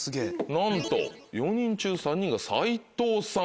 なんと４人中３人が斎藤さん。